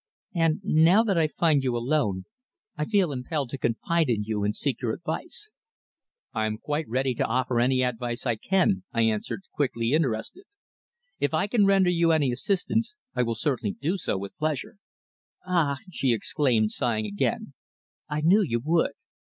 "And now that I find you alone, I feel impelled to confide in you and seek your advice." "I'm quite ready to offer any advice I can," I answered, quickly interested. "If I can render you any assistance I will certainly do so with pleasure." "Ah!" she exclaimed, sighing again, "I knew you would.